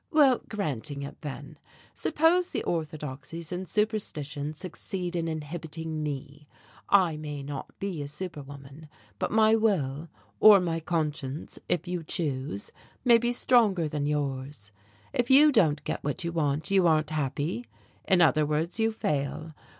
"Well, granting it, then. Suppose the orthodoxies and superstitions succeed in inhibiting me. I may not be a superwoman, but my will, or my conscience, if you choose, may be stronger than yours. If you don't get what you want, you aren't happy. In other words, you fail.